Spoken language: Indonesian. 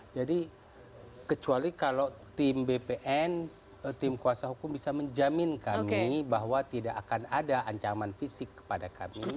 jadi kecuali kalau tim bpn tim kuasa hukum bisa menjamin kami bahwa tidak akan ada ancaman fisik kepada kami